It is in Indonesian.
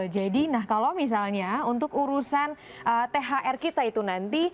jadi kalau misalnya untuk urusan thr kita itu nanti